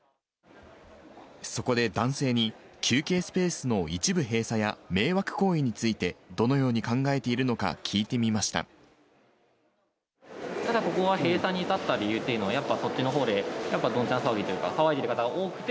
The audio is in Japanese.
そこで、男性に休憩スペースの一部閉鎖や、迷惑行為について、どのように考ただ、ここは閉鎖に至った理由というのは、やっぱ、こっちのほうでどんちゃん騒ぎというか、騒いでいる方が多くて。